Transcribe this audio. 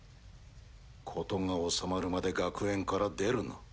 事が収まるまで学園から出るな。